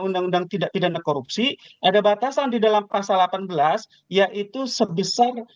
undang undang tidak pidana korupsi ada batasan di dalam pasal delapan belas yaitu sebesar